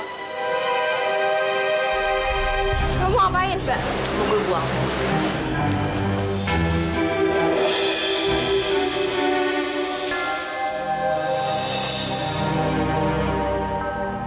karena aku mau minta maaf dan aku juga gak sengaja